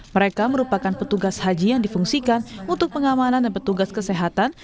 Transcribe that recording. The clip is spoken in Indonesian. mereka merupakan petugas haji yang difungsikan untuk pengamanan dan petugas kesehatan